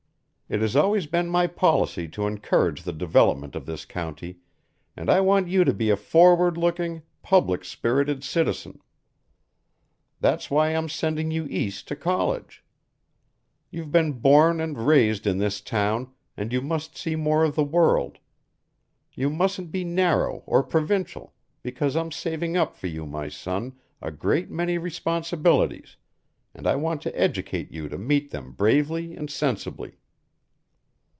It has always been my policy to encourage the development of this county, and I want you to be a forward looking, public spirited citizen. That's why I'm sending you East to college. You've been born and raised in this town, and you must see more of the world. You mustn't be narrow or provincial, because I'm saving up for you, my son, a great many responsibilities, and I want to educate you to meet them bravely and sensibly."